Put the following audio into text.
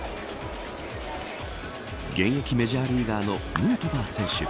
現役メジャーリーガーのヌートバー選手